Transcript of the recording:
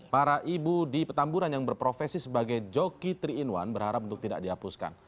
para ibu di petamburan yang berprofesi sebagai joki tiga in satu berharap untuk tidak dihapuskan